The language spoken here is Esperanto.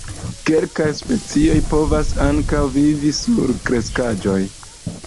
Kelkaj specioj povas ankaŭ vivi sur kreskaĵoj.